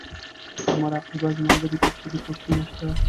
پۀ مراقبه زما درې تفصيلی پوسټونه شته